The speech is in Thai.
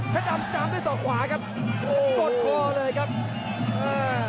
แค่ดำจำด้วยสอบขวาครับกดพ่อเลยครับอ้าว